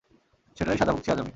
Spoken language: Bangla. সেটারই সাজা ভুগছি আজ আমি।